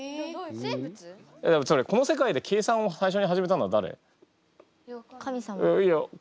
この世界で計算を最初に始めたのはだれ？